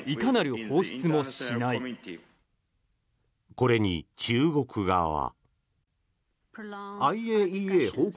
これに中国側は。